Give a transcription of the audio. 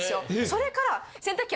それから。